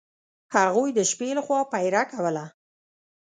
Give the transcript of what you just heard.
هغوی د شپې له خوا پیره کوله.